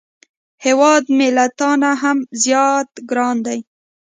هیواد مې له تا نه هم زیات ګران دی